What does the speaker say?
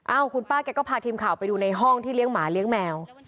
คุณป้าแกก็พาทีมข่าวไปดูในห้องที่เลี้ยงหมาเลี้ยงแมว